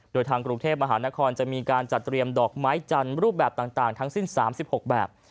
โดยทางกรุงเทพมหานครจะมีการจัดเตรียมดอกไม้จันทร์รูปแบบต่างทั้งสิ้น๓๖แบบ